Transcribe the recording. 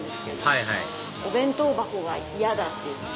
はいはいお弁当箱が嫌だって言って。